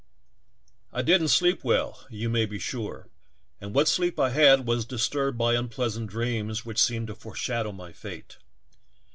"I didn't sleep well, you may be sure, and what sleep I had was disturbed by unpleasant dreams which seemed to foreshadow my fate.